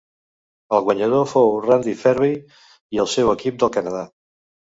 El guanyador fou Randy Ferbey i el seu equip del Canadà.